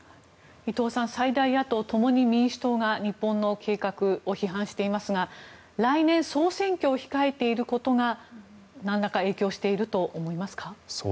伊藤さん最大野党・共に民主党が日本の計画を批判していますが来年、総選挙を控えていることがなんらか影響していると思いますか。